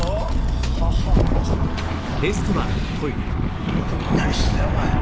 こんな時に何してるんだよお前！